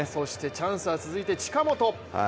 チャンスは続いて、近本。